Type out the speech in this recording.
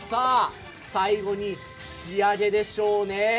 最後に仕上げでしょうね。